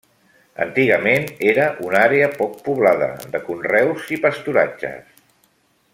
Antigament era una àrea poc poblada, de conreus i pasturatges.